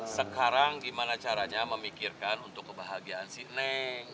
sekarang gimana caranya memikirkan untuk kebahagiaan si neng